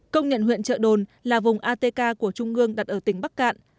công nhận huyện trợ đồn là vùng atk của trung ương đặt ở tỉnh bắc cạn